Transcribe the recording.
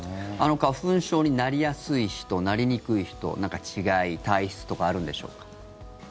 花粉症になりやすい人なりにくい人なんか違い体質とかあるんでしょうか？